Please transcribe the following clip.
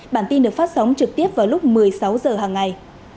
bản tin được phát sóng trực tiếp vào lúc một mươi sáu h hàng ngày